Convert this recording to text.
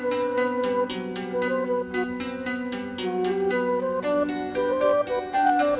kedua bagaimana cara kita memperbaiki masyarakat ini